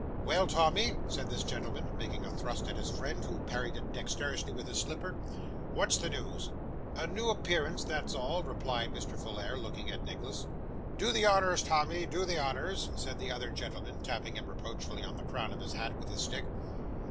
'Well, Tommy,' said this gentleman, making a thrust at his friend, who parried it dexterously with his slipper, 'what's the news?' 'A new appearance, that's all,' replied Mr. Folair, looking at Nicholas. 'Do the honours, Tommy, do the honours,' said the other gentleman, tapping him reproachfully on the crown of the hat with his stick.